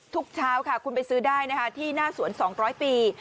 ทุกเช้าค่ะคุณไปซื้อได้นะคะที่หน้าสวน๒๐๐ปี